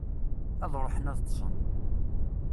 Ad ruḥen ad ṭṭsen.